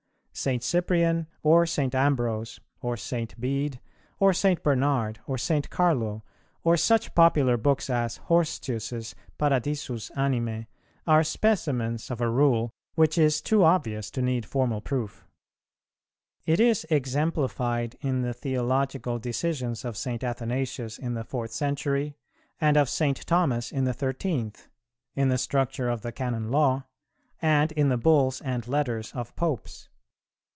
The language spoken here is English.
St. Cyprian, or St. Ambrose, or St. Bede, or St. Bernard, or St. Carlo, or such popular books as Horstius's Paradisus Animæ, are specimens of a rule which is too obvious to need formal proof. It is exemplified in the theological decisions of St. Athanasius in the fourth century, and of St. Thomas in the thirteenth; in the structure of the Canon Law, and in the Bulls and Letters of Popes.